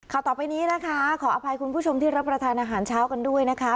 ต่อไปนี้นะคะขออภัยคุณผู้ชมที่รับประทานอาหารเช้ากันด้วยนะคะ